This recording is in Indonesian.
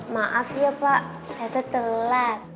maaf ya pak ternyata telat